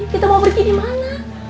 kita mau pergi dimana